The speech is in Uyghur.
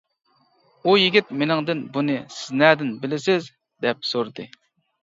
ئۇ يىگىت مېنىڭدىن بۇنى سىز نەدىن بىلىسىز، دەپ سورىدى.